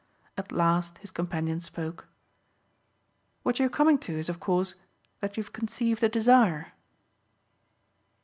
At last his companion spoke. "What you're coming to is of course that you've conceived a desire."